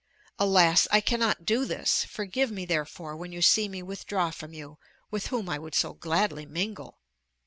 Alas! I cannot do this! Forgive me therefore when you see me withdraw from you with whom I would so gladly mingle.